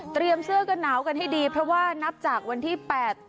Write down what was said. เสื้อกันหนาวกันให้ดีเพราะว่านับจากวันที่แปด